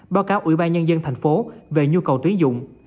báo cáo ủy ban nhân dân thành phố về nhu cầu tuyến dụng